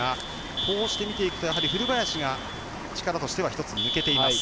こうして見ていくと古林が力としては１つ抜けています。